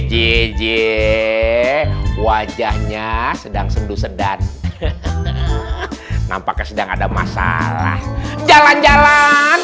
jiwa pe asynchronous dan construction dan nampak sedang ada masalah jalan jalan